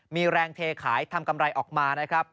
มีแรงเทขายทำกำไรออกมานะครับ